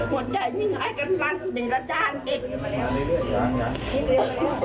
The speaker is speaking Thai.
หวัดใจยิ่งไห้กันพรรณสีราชาอังกฤษ